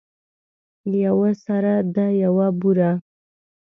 یوه سره ده یوه بوره.